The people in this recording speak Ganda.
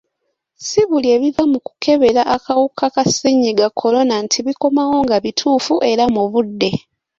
Si buli ebiva mu kukebera akawuka ka ssennyiga kolona nti bikomawo nga bituufu era mu budde.